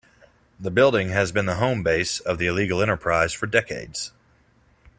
The building has been the home base of the illegal enterprise for decades.